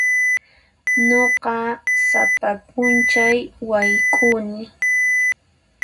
Nuqa sapa p'unchay wayk'uni.